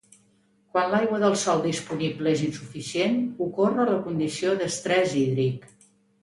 Quan l'aigua del sòl disponible és insuficient, ocorre la condició d'estrès hídric.